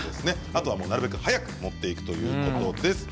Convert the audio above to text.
あとはなるべく早く持っていくということです。